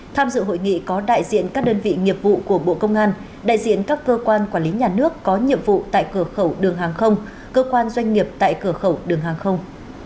tham dự hội nghị có đại diện các đơn vị nghiệp vụ của bộ công an đại diện các cơ quan quản lý nhà nước có nhiệm vụ tại cửa khẩu đường hàng không cơ quan doanh nghiệp tại cửa khẩu đường hàng không